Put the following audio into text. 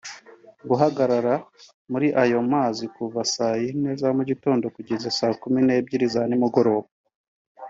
Guhagarara muri ayo mazi kuva saa yine za mu gitondo kugeza saa kumi n’ebyiri za nimugoroba